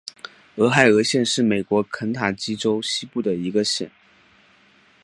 俄亥俄县是美国肯塔基州西部的一个县。